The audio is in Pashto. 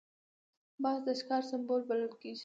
باز د ښکار سمبول بلل کېږي